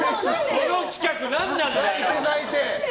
この企画なんなんだよ。